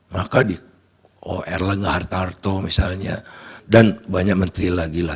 maka di erlangga hartarto misalnya dan banyak menteri lagi lah